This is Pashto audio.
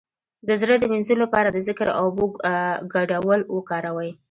د زړه د مینځلو لپاره د ذکر او اوبو ګډول وکاروئ